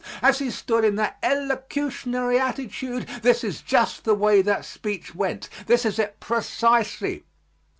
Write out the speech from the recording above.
As he stood in that elocutionary attitude this is just the way that speech went, this is it precisely.